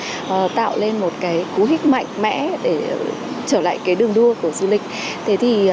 hà nội đã tạo lên một cú hít mạnh mẽ để trở lại đường đua của du lịch